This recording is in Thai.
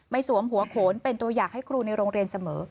สวมหัวโขนเป็นตัวอย่างให้ครูในโรงเรียนเสมอ